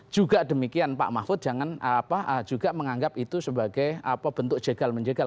juga demikian pak mahfud jangan juga menganggap itu sebagai bentuk jegal menjegal